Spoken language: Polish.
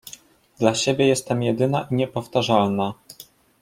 Dla siebie jestem jedyna i niepowtarzalna.